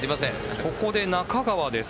ここで中川です。